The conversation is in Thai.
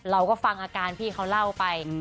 เราก็ฟังอาการพี่เขาเล่าไป